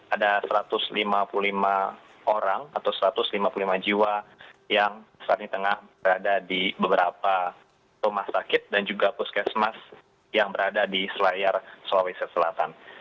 ada satu ratus lima puluh lima orang atau satu ratus lima puluh lima jiwa yang saat ini tengah berada di beberapa rumah sakit dan juga puskesmas yang berada di selayar sulawesi selatan